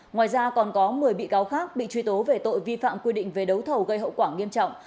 ngoài ra còn có một mươi bị cáo khác bị truy tố về tội vi phạm quy định về đấu thầu gây hậu quả nghiêm trọng